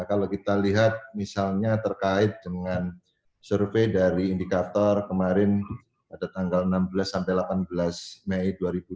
kalau kita lihat misalnya terkait dengan survei dari indikator kemarin pada tanggal enam belas sampai delapan belas mei dua ribu dua puluh